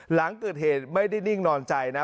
หลังเกิดเหตุไม่ได้นิ่งนอนใจนะ